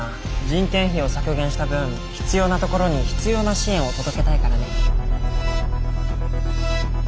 人件費を削減した分必要なところに必要な支援を届けたいからね。